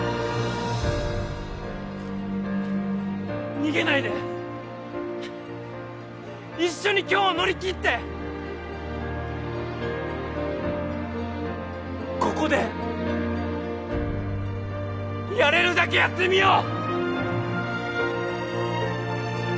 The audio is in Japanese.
逃げないで一緒に今日を乗り切ってここでやれるだけやってみよう！